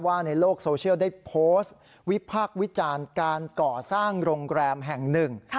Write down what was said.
ในโลกโซเชียลได้โพสต์วิพากษ์วิจารณ์การก่อสร้างโรงแรมแห่งหนึ่ง